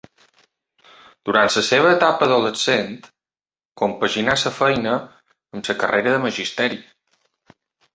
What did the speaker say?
Durant la seva etapa adolescent, compaginà la feina amb la carrera de magisteri.